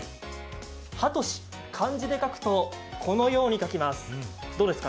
ハトシ、漢字で書くとこのように書きます。